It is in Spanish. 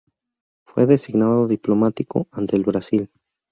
Fue designado diplomático ante el Brasil.